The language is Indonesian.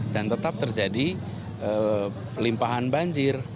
dan tetap terjadi limpahan banjir